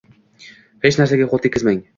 Hech narsaga qo’l tekkizmang.